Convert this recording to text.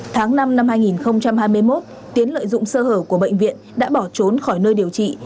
tháng năm năm hai nghìn hai mươi một tiến lợi dụng sơ hở của bệnh viện đã bỏ trốn khỏi nơi điều trị